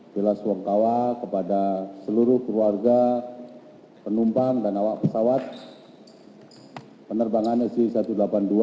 jelas wongkawa kepada seluruh keluarga penumpang dan awak pesawat penerbangan sj satu ratus delapan puluh dua